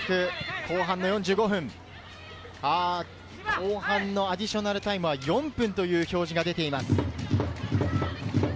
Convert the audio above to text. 後半アディショナルタイムは４分という表示が出ています。